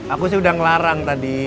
aku sih udah ngelarang tadi